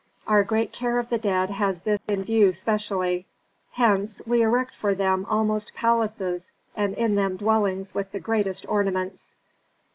Our great care of the dead has this in view specially; hence we erect for them almost palaces and in them dwellings with the greatest ornaments."